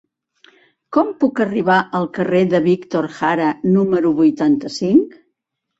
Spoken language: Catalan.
Com puc arribar al carrer de Víctor Jara número vuitanta-cinc?